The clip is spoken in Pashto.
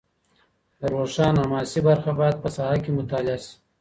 د روښان حماسي برخه باید په ساحه کي مطالعه سي.